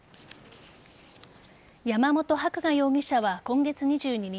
山本伯画容疑者は今月２２日